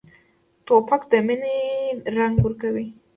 توپک د مینې رنګ ورکوي.